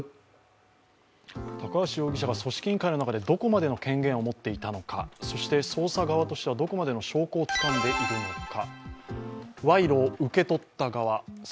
高橋容疑者が組織委員会の中でどこまでの権限を持っていたのかそして捜査側としてはどこまでの証拠をつかんでいるのか。